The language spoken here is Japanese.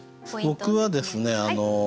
僕はですね